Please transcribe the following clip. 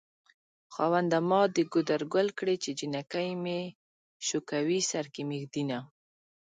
خاونده ما د ګودر ګل کړې چې جنکۍ مې شوکوي سر کې مې ږدينه